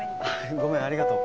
ごめんありがとう。